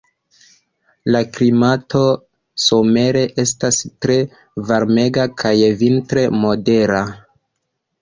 La klimato somere estas tre varmega kaj vintre modera.